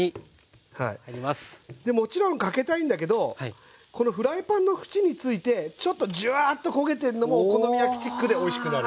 でもちろんかけたいんだけどこのフライパンの縁についてちょっとジュワーと焦げてんのもお好み焼きチックでおいしくなる。